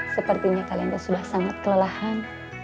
sepertinya kalian sudah sangat kelelahan